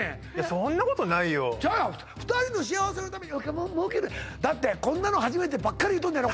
そんなことないよじゃあ２人の幸せのためにお金儲けるだってこんなの初めてばっかり言うとんのやろ？